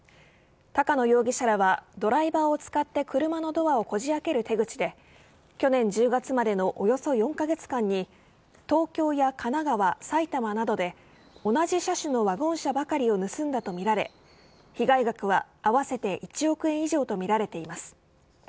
高野容疑者らはドライバーを使って車のドアをこじ開ける手口で去年１０月までのおよそ４カ月間に東京や神奈川、埼玉などで同じ車種のワゴン車ばかりを盗んだとみられ被害額は合わせて１億円以上とみられています。